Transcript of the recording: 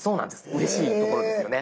うれしいところですよね。